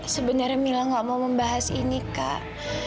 sebenarnya mila gak mau membahas ini kak